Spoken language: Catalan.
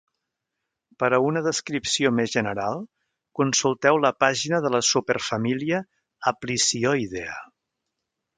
Per a una descripció més general, consulteu la pàgina de la superfamília Aplysioidea.